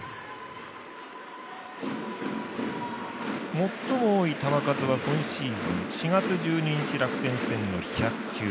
最も多い球数は、今シーズン４月１２日、楽天戦の１００球。